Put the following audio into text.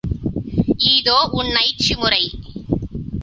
ஈதோ உன் னைட்சிமுறை!